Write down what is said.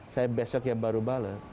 saya besok ya baru balet